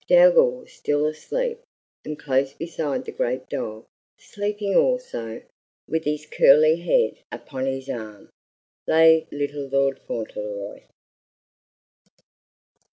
Dougal was still asleep, and close beside the great dog, sleeping also, with his curly head upon his arm, lay little Lord Fauntleroy.